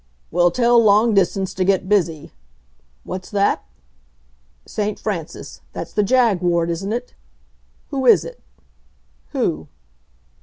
"Well, tell Long Distance to get busy. What's that? St. Francis that's the jag ward, isn't it? Who is it? Who?